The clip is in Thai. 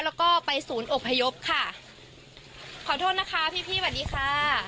แล้วก็ไปศูนย์อบพยพค่ะขอโทษนะคะพี่พี่สวัสดีค่ะ